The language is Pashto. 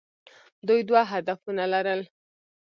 دوی دوه هدفونه لرل.